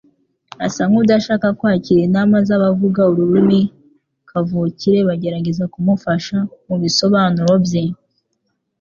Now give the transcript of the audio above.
asa nkudashaka kwakira inama zabavuga ururimi kavukire bagerageza kumufasha mubisobanuro bye.